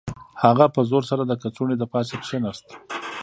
هغه په زور سره د کڅوړې د پاسه کښیناست